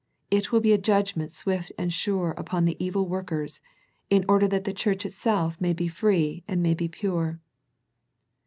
It will be a judgment swift and sure upon the evil workers, in order that the church itself may be free and may be pure.